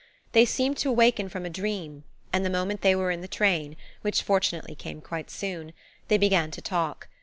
They seemed to awaken from a dream, and the moment they were in the train, which fortunately came quite soon, they began to talk.